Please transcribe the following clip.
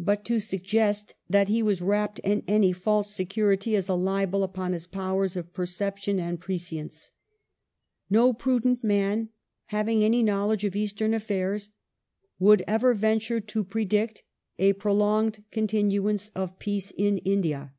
But to suggest that he was wrapped in any false security is a libel upon his powers of perception and of prescience. " No prudent man, having any knowledge of Eastern affau s, would ever venture to predict a prolonged continuance of peace in India."